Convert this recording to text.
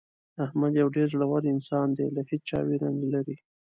احمد یو ډېر زړور انسان دی له هېچا ویره نه لري.